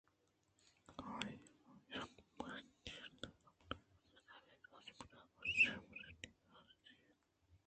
آ یک برے چُرتے ءَ کپت کہ اے اپس گاڑی تاچ ءُاے تہر ءِ وشیں برانڈی ءِ راز چی اِنت